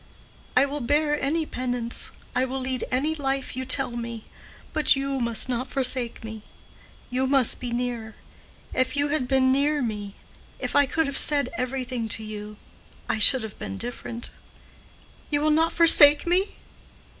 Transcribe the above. "I will bear any penance. I will lead any life you tell me. But you must not forsake me. You must be near. If you had been near me—if I could have said everything to you, I should have been different. You will not forsake me?"